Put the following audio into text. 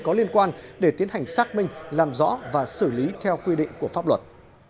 có liên quan để tiến hành xác minh làm rõ và xử lý theo quy định của pháp luật